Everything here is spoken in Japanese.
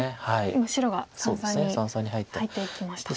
今白が三々に入っていきました。